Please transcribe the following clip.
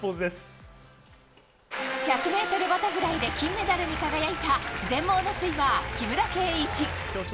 １００ｍバタフライで金メダルに輝いた全盲のスイマー・木村敬一。